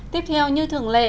tiếp theo như thường lệ